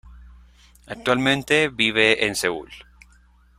Actualmente vive en Seúl.